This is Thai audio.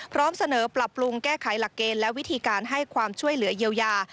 พร้อมเสนอปรับปรุงแก้ไขหลักเกณฑ์และวิธีการให้ความช่วยเหลือเยียวยา